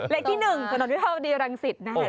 และที่หนึ่งสนุนวิทยาลัยรังศิษย์นะฮะ